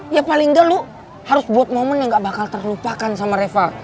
ya paling nggak lo harus buat momen yang nggak bakal terlupakan sama reva